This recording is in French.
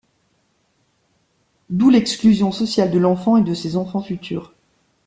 D'où l'exclusion sociale de l'enfant et de ses enfants futurs.